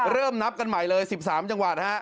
เริ่มนับกันใหม่เลย๑๓จังหวัดฮะ